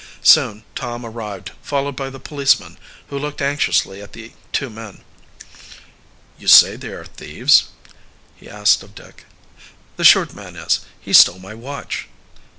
Soon Tom arrived, followed by the policeman, who looked anxiously at the two men. "You say they are thieves?" he asked of Dick. "The short man is. He stole my watch."